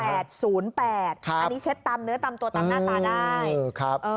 อันนี้เช็ดตามเนื้อตามตัวตามหน้าตาได้